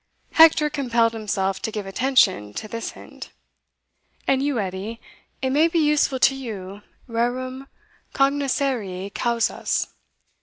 (Hector compelled himself to give attention at this hint. ) "And you, Edie, it may be useful to you reram cognoscere causas.